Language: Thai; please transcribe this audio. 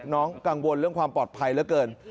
กังวลเรื่องความปลอดภัยเหลือเกิน